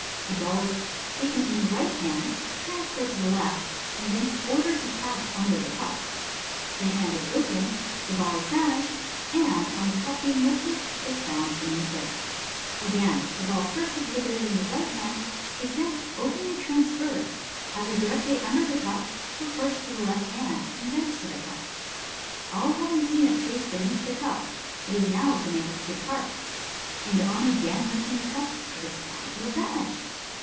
A ball is taken in the right hand, transferred to the left, and thence ordered to pass under the cup. The hand is opened, the ball has vanished, and, on the cup being lifted, is found beneath it. Again, the ball, first exhibited in the right hand, is thence openly transferred, either directly under the cup or first to the left hand, and thence to the cup. All having seen it placed beneath the cup, it is now commanded to depart, and on again lifting the cup, it is found to have vanished.